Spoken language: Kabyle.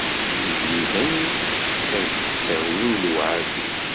Igelliden ad k-d-ttawin lewɛadi.